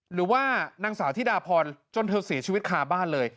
หรือว่านางสาวธิดาพรจนเธอเสียชีวิตคาบ้านเลย